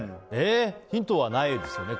ヒントはないですよね？